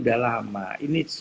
tapi pada umur hemosit